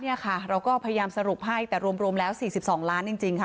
เนี้ยค่ะเราก็พยายามสรุปให้แต่รวมแล้วสี่สิบสองล้านจริงจริงค่ะ